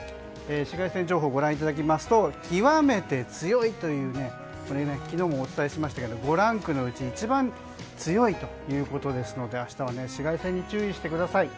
紫外線情報をご覧いただきますと極めて強いという昨日もお伝えしましたが５ランクのうち一番強いということで明日は紫外線に注意してください。